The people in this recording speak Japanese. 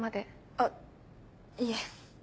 あっいえ。